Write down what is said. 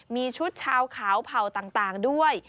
มีชุดชาวขาวเผ่าต่างด้วย